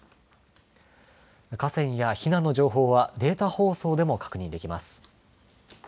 河川や避難の情報はデータ放送でも確認できます。